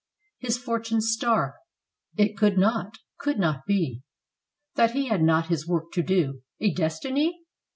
His fortune's star! it could not, could not be That he had not his work to do — a destiny?